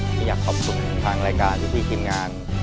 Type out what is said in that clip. ที่อยากขอบคุณทางรายการยุทิกรีมงาน